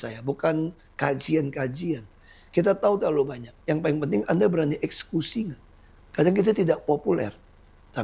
yang kita kerjakan itu ada